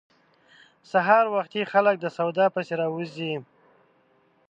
سهار وختي خلک د سودا پسې راوزي.